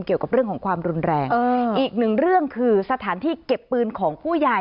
เกี่ยวกับเรื่องของความรุนแรงอีกหนึ่งเรื่องคือสถานที่เก็บปืนของผู้ใหญ่